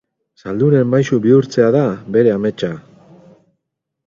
Zaldunen maisu bihurtzea da bere ametsa.